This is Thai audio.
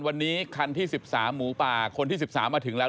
วันนี้คันที่๑๓หมูป่าคนที่๑๓มาถึงแล้ว